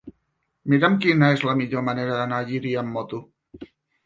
Mira'm quina és la millor manera d'anar a Llíria amb moto.